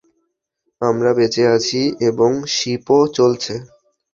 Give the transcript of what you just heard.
আমরা বেঁচে আছি এবং শিপও চলছে!